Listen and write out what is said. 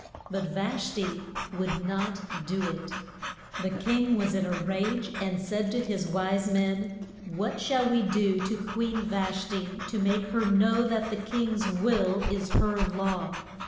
But Vash ti would not do it. Then the king was in a rage, and said to his wise men, What shall we do to Queen Vash ti to make her know that the king's will is her law?